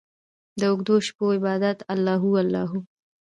داوږدوشپو عبادته الله هو، الله هو